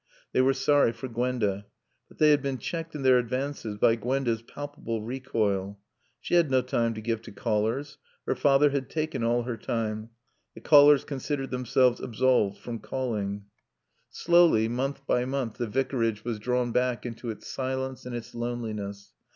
They were sorry for Gwenda. But they had been checked in their advances by Gwenda's palpable recoil. She had no time to give to callers. Her father had taken all her time. The callers considered themselves absolved from calling. Slowly, month by month, the Vicarage was drawn back into its silence and its loneliness.